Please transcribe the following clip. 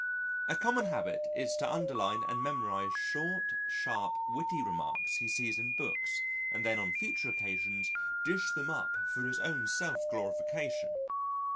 A common habit is to underline and memorise short, sharp, witty remarks he sees in books and then on future occasions dish them up for his own self glorification.